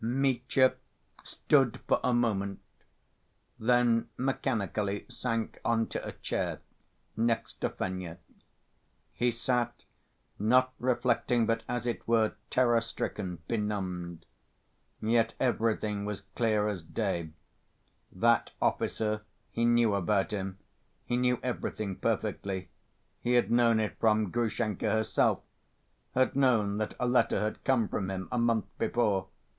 Mitya stood for a moment, then mechanically sank on to a chair next to Fenya. He sat, not reflecting but, as it were, terror‐stricken, benumbed. Yet everything was clear as day: that officer, he knew about him, he knew everything perfectly, he had known it from Grushenka herself, had known that a letter had come from him a month before.